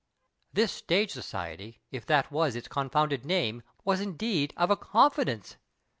This Stage Society, if that was its confounded name, was indeed of a confidence